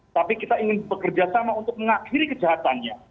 tapi kita ingin bekerjasama untuk mengakhiri kejahatannya